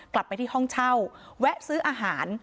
กลับไปที่ห้องเช่าแวะซื้ออาหาร